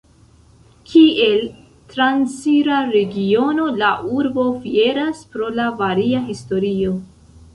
Kiel transira regiono la urbo fieras pro la varia historio.